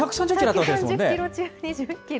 １３０キロ中、２０キロ？